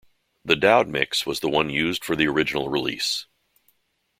The Dowd mix was the one used for the original release.